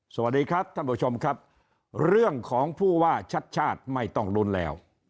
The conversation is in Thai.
สวัสดีครับท่านผู้ชมครับเรื่องของผู้ว่าชัดชาติไม่ต้องลุ้นแล้ว